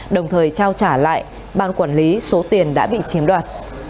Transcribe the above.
đồng thời trao trả lại ban quản lý số tiền đã bị chiếm đoạt